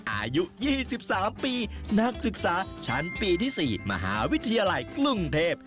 อายุ๒๓ปีนักศึกษาชั้นปีที่๔มหาวิทยาลัยกรุงเทพ